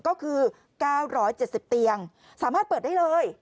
ก็คือ๙๗๐เตียงสามารถเปิดได้เลย